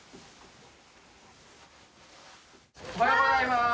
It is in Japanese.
おはようございます！